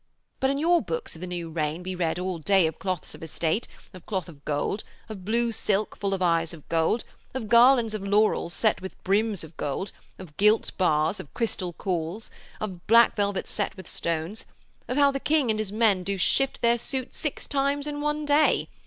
But in your books of the new reign we read all day of cloths of estate, of cloth of gold, of blue silk full of eyes of gold, of garlands of laurels set with brims of gold, of gilt bars, of crystal corals, of black velvet set with stones, and of how the King and his men do shift their suits six times in one day.